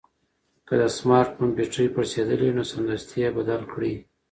که د سمارټ فون بېټرۍ پړسېدلې وي نو سمدستي یې بدل کړئ.